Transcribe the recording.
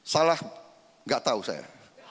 salah enggak tahu saya